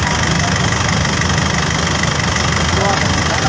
รถมันต่อไปเสียเนอะ